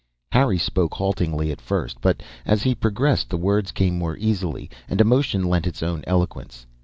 Harry spoke haltingly at first, but as he progressed the words came more easily, and emotion lent its own eloquence.